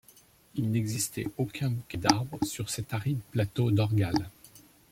Il n’existait aucun bouquet d’arbres sur cet aride plateau d’Orgall.